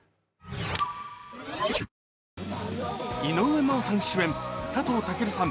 井上真央さん主演佐藤健さん